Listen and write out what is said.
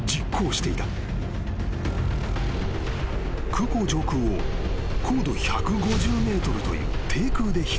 ［空港上空を高度１５０ｍという低空で飛行］